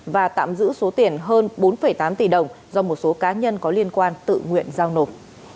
và tạm giữ số tiền hơn bốn tám tỷ đồng do một số cá nhân có liên quan tự nguyện giao nộp